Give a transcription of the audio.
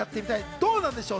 どうなんでしょう？